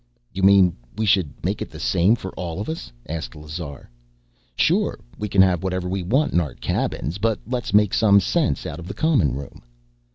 "You mean we should make it the same for all of us?" asked Lazar. "Sure. We can have whatever we want in our cabins, but let's make some sense out of the common room."